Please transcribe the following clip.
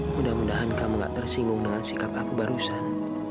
mudah mudahan kamu gak tersinggung dengan sikap aku barusan